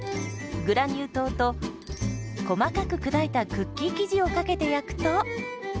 グラニュー糖と細かく砕いたクッキー生地をかけて焼くと。